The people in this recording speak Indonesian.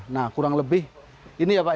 nah kurang lebih ini ya pak